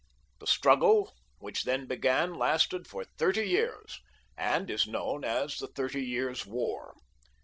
The struggle which then began lasted for thirty years, and is known as the Thirty Years' War.